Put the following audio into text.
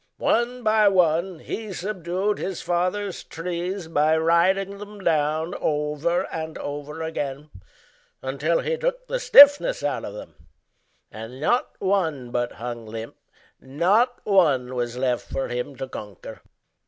One by one he subdued his father's trees By riding them down over and over again Until he took the stiffness out of them, And not one but hung limp, not one was left For him to conquer.